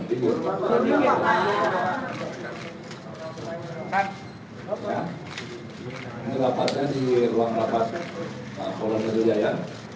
ini rapatnya di ruang rapat polonadu jaya